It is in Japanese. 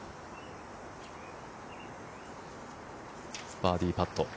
バーディーパット。